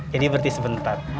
jadi berhenti sebentar